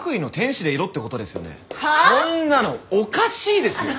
そんなのおかしいですよ！